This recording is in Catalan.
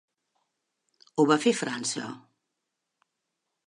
Ho va fer França.